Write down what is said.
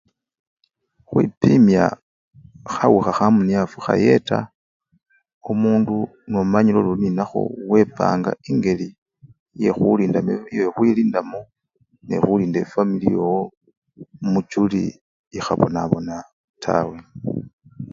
Khukhwipimya khawukha kha munyafu khayeta omundu nomanyile oli olininakho wepanga engeli yekhulindamo bye! yekhukhwilindamo nekhulinda efamili yowo muchuli ikhabonabona tawe.